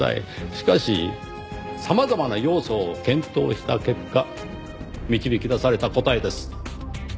しかし様々な要素を検討した結果導き出された答えです。